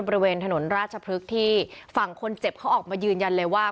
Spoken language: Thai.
บริเวณถนนราชพฤกษ์ที่ฝั่งคนเจ็บเขาออกมายืนยันเลยว่า